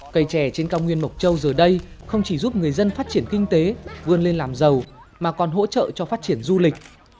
cây trẻ trên cao nguyên mộc châu giờ đây không chỉ giúp người dân phát triển kinh tế vươn lên làm giàu mà còn hỗ trợ cho phát triển du lịch